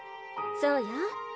そうよ。